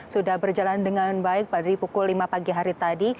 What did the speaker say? sudah berjalan dengan baik pada pukul lima pagi hari tadi